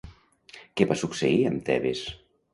Què va succeir amb Tebes?